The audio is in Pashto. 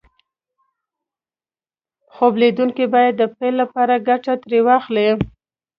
خوب ليدونکي بايد د پيل لپاره ګټه ترې واخلي.